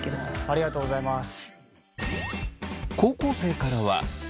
ありがとうございます。